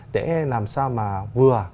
để làm sao mà vừa